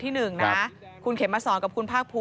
มีความว่ายังไง